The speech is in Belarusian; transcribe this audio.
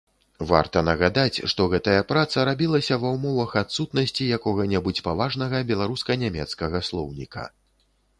Варта нагадаць, што гэтая праца рабілася ва ўмовах адсутнасці якога-небудзь паважнага беларуска-нямецкага слоўніка.